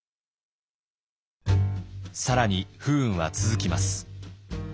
更に不運は続きます。